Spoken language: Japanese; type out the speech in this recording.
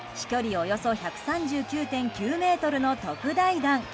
およそ１３９．９ｍの特大弾。